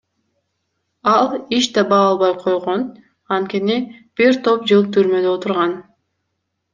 Ал иш таба албай койгон, анткени бир топ жыл түрмөдө отурган.